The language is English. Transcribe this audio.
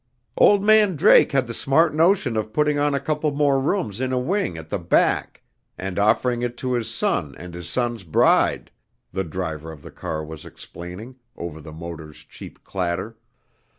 "Old man Drake had the smart notion of putting on a couple more rooms in a wing at the back, and offering it to his son and his son's bride," the driver of the car was explaining, over the motor's cheap clatter.